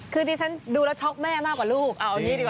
คือดิฉันดูแล้วช็อกแม่มากกว่าลูกเอาอย่างนี้ดีกว่า